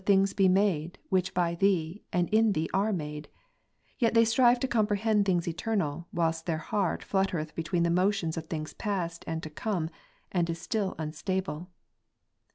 things be made, which by Thee, and in Thee are made : yet they strive to comprehend things eternal, whilst their heart fluttereth between the motions of things past and to come, and is still unstable.